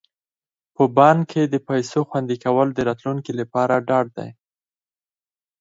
په بانک کې د پيسو خوندي کول د راتلونکي لپاره ډاډ دی.